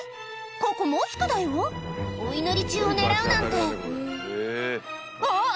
ここモスクだよ？お祈り中を狙うなんてあぁ！